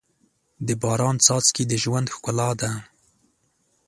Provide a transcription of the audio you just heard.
د باران څاڅکي د ژوند ښکلا ده.